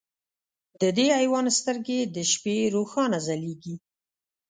د دې حیوان سترګې د شپې روښانه ځلېږي.